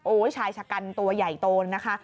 ชายชะกันตัวใหญ่โตนนะคะ